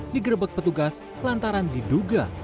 digerebek petugas pelantaran diduga